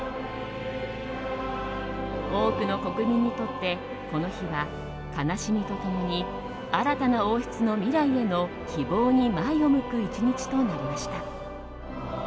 多くの国民にとってこの日は悲しみと共に新たな王室の未来への希望に前を向く１日となりました。